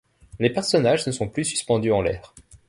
Les personnages ne sont plus suspendus en l'air.